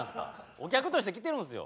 お客として来てるんすよ。